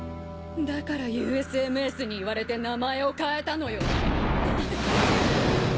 だからＵＳＭＳに言われて名前を変えたのよ。